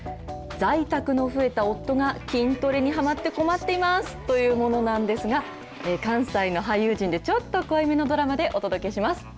在宅の増えた夫が、筋トレにはまって困っていますというものなんですが、関西の俳優陣でちょっと濃いめのドラマでお届けします。